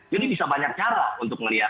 jadi bisa banyak cara untuk melihat